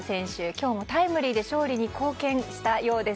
今日もタイムリーで勝利に貢献したようです。